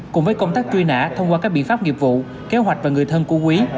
cùng với công tác truy nã thông qua các biện pháp nghiệp vụ kế hoạch và người thân của quý